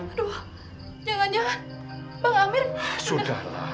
aduh jangan jangan bang amir sudah